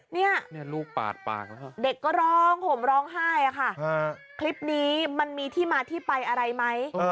เนี่ยเด็กก็ร้องผมร้องไห้ค่ะคลิปนี้มันมีที่มาที่ไปอะไรไหม